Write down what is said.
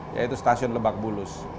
yaitu stasiun lebak bulus